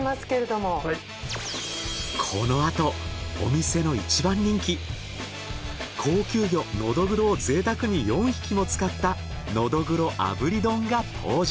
このあとお店の１番人気高級魚ノドグロをぜいたくに４匹も使ったノドグロ炙り丼が登場。